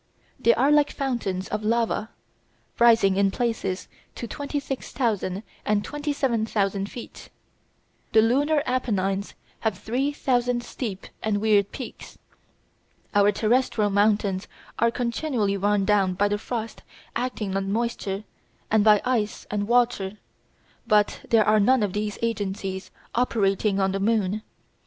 They are like fountains of lava, rising in places to 26,000 and 27,000 feet. The lunar Apennines have three thousand steep and weird peaks. Our terrestrial mountains are continually worn down by frost acting on moisture and by ice and water, but there are none of these agencies operating on the moon.